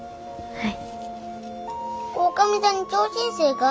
はい！